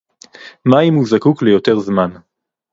מה אם הוא זקוק ליותר זמן